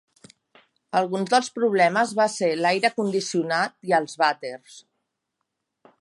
Alguns dels problemes va ser l'aire condicionat i els vàters.